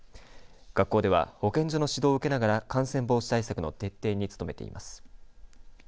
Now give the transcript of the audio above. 学校では保健所の指導を受けながら感染防止対策の徹底に努めています。